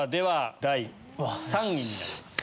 第３位になります。